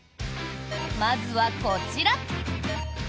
まずは、こちら。